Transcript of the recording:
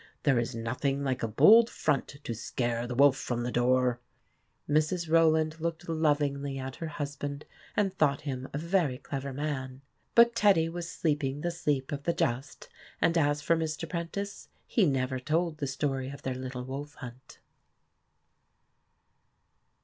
There is nothing like a bold front to scare the wolf from the door !" Mrs. Rowland looked lovingly at her husband and thought him a very clever man. But Teddy was sleeping the sleep of the just, and as for Mr. Prentice, he never told the story of their little wolf hunt.